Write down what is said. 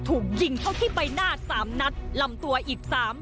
ถูกยิงเท่าที่ใบหน้าสามนัดลำตัวอีกสาม